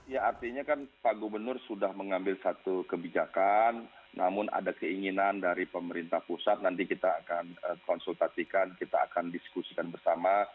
ya artinya kan pak gubernur sudah mengambil satu kebijakan namun ada keinginan dari pemerintah pusat nanti kita akan konsultasikan kita akan diskusikan bersama